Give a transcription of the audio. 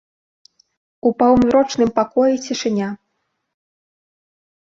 У паўзмрочным пакоі цішыня.